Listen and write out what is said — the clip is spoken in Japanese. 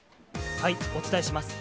お伝えします。